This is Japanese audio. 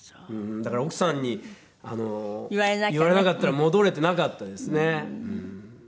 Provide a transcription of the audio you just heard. だから奥さんに言われなかったら戻れてなかったですね。